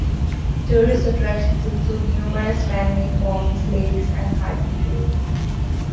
Tourist attractions include numerous man-made ponds, lakes, and hiking trails.